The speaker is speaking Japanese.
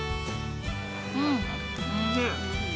うんおいしい。